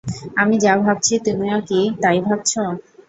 আমি যা ভাবছি তুমিও কি তাই ভাবছ?